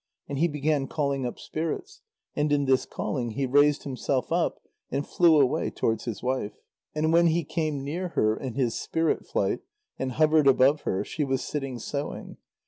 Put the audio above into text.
And he began calling up spirits. And in this calling he raised himself up and flew away towards his wife. And when he came near her in his spirit flight, and hovered above her, she was sitting sewing.